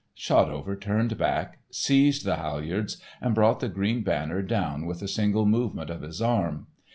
Shotover turned back, seized the halyards, and brought the green banner down with a single movement of his arm.